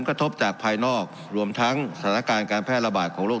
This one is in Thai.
กระทบจากภายนอกรวมทั้งสถานการณ์การแพร่ระบาดของโรค